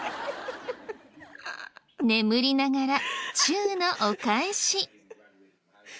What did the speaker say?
眠りながらチューのお返し。